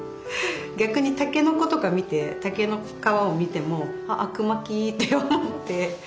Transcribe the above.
逆にたけのことか見て竹の皮を見ても「あくまき」って思って。